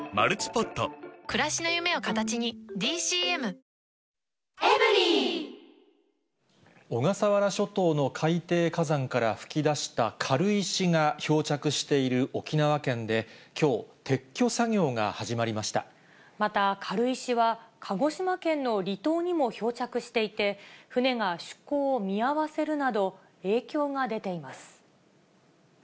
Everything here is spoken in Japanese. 軽石が漂着して、２週間ほど、小笠原諸島の海底火山から噴き出した軽石が漂着している沖縄県で、きょう、撤去作業が始まりまた軽石は、鹿児島県の離島にも漂着していて、船が出港を見合わせるなど、影響が出ています。